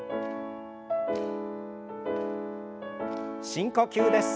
深呼吸です。